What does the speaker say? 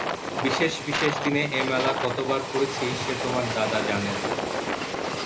বিশেষ বিশেষ দিনে এ মালা কতবার পরেছি সে তোমার দাদা জানেন।